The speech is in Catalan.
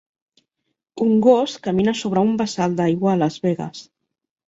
Un gos camina sobre un bassal d'aigua a Las Vegas.